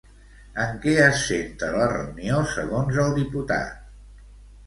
En que es centra la reunió segons el diputat?